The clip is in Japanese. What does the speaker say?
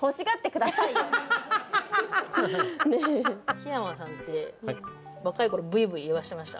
檜山さんって若いころブイブイいわせてました？